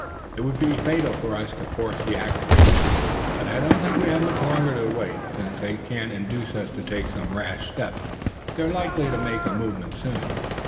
It would be fatal for us to force the action, but I don't think we have much longer to wait. Since they can't induce us to take some rash step they're likely to make a movement soon."